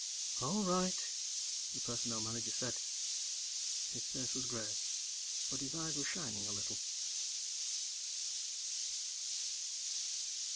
"All right," the Personnel Manager said. His face was grave, but his eyes were shining a little.